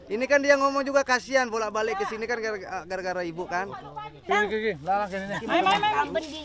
ini kan dia ngomong juga kasian bolak balik ke sini kan gara gara ibu kan